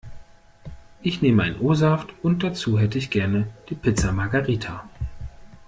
Ich nehme einen O-Saft und dazu hätte ich gerne die Pizza Margherita.